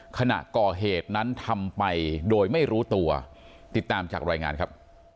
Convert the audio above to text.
ขณะก่อเหตุนั้นทำไปโดยไม่รู้ตัวติดตามจากรายงานครับ